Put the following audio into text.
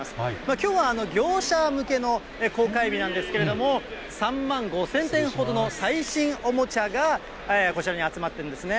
きょうは業者向けの公開日なんですけれども、３万５０００点ほどの最新おもちゃが、こちらに集まっているんですね。